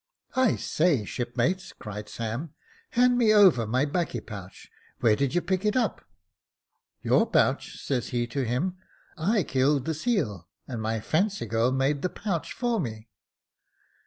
* I say, shipmate,' cries Sam, ' hand me over my 'baccy pouch. Where did you pick it up ?""' Your pouch !' says he to him ;* I killed the seal, and my fancy girl made the pouch for me.'